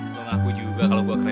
lo ngaku juga kalo gue keren